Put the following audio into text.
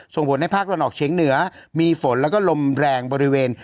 ส่งผลให้ภาคตะวันออกเฉียงเหนือมีฝนแล้วก็ลมแรงบริเวณ